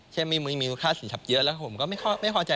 ใช่มือมีค่าสินคับเยอะผมก็ไม่เข้าใจ